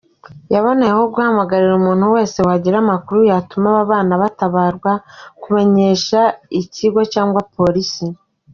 Yaboneyeho guhamagarira umuntu wese wagira amakuru yatuma aba bana batabarwa kubimenyesha ikigo cyangwa polisi .